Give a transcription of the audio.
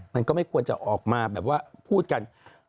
มันก็ไม่ควรจะออกมาแบบว่าพูดกัน